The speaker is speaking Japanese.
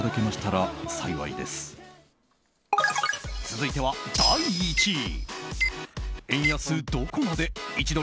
続いては第１位。